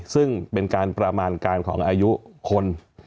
ซึ่งเป็นการประมาณการของอายุคน